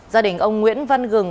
gia đình ông nguyễn văn gừng